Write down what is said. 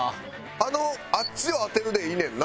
あっちを当てるでいいねんな？